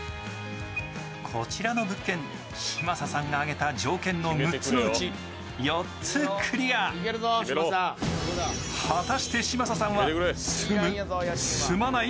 こちらの物件嶋佐さんが挙げた条件の６つのうち４つクリア果たして嶋佐さんは住む？住まない？